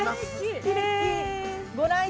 きれい。